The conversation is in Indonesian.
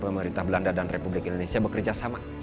pemerintah belanda dan republik indonesia bekerja sama